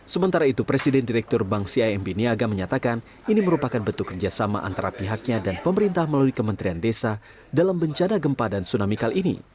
sementara itu presiden direktur bank cimb niaga menyatakan ini merupakan bentuk kerjasama antara pihaknya dan pemerintah melalui kementerian desa dalam bencana gempa dan tsunami kali ini